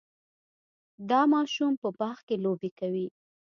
دا ماشوم په باغ کې لوبې کوي.